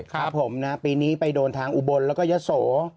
ครับผมนะปีนี้ไปโดนทางอุบลแล้วก็ยะโส